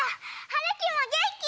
はるきもげんき！